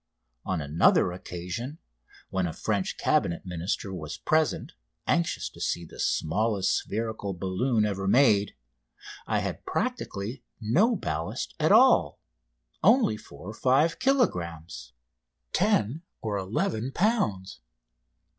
On another occasion, when a French Cabinet Minister was present, anxious to see the smallest spherical balloon ever made, I had practically no ballast at all, only 4 or 5 kilogrammes (10 or 11 lbs.).